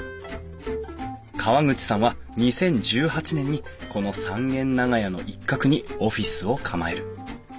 河口さんは２０１８年にこの三軒長屋の一角にオフィスを構える。